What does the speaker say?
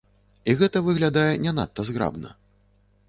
І гэта выглядае не надта зграбна.